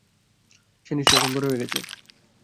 সে নিশ্চয়ই এখন বড় হয়ে গেছে।